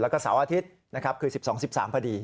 แล้วก็เสาร์อาทิตย์คือ๑๒๑๓พอดี